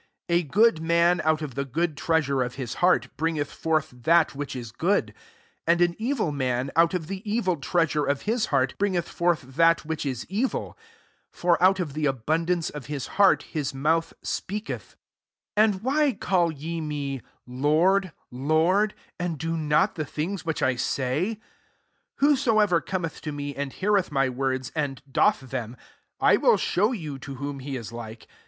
45 A good man, out of the good treasure of his heart, bringeth forth that which is good ; and an evil [man,'] out of the evil S' treasure qfhia hearty] bringeth brth that which is evil : for out of the abundance of hb heart [hiiT] mouth spcaketh* 4o " And why call ye me < Lord, Lord,' and do not the things which I say ? 47 " Whosoever cometh to me, and heareth my words, and doth them, I will show you to whom he is like.